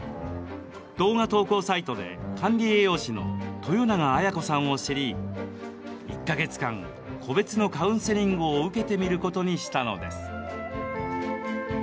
動画投稿サイトで管理栄養士の豊永彩子さんを知り１か月間個別のカウンセリングを受けてみることにしたのです。